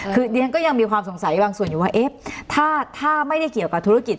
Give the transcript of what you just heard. คือเรียนก็ยังมีความสงสัยบางส่วนอยู่ว่าเอ๊ะถ้าไม่ได้เกี่ยวกับธุรกิจ